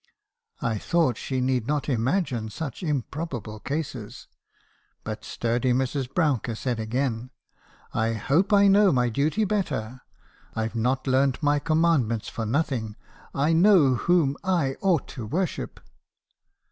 I thought she need not imagine such improbable cases. But sturdy Mrs. Brouncker said again —"' I hope I know my duty better. I 've not learned my Com mandments for nothing. I know whom I ought to worship.'